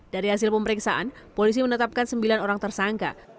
dari hasil pemeriksaan polisi menetapkan sembilan orang tersangka